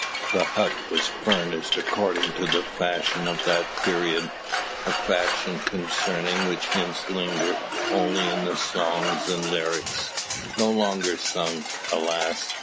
The hut was furnished according to the fashion of that period a fashion concerning which hints linger only in the songs and lyrics, no longer sung, alas!